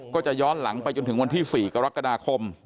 ก็จะย้อนหลังไปจนถึงวันที่๔กรกฎาคม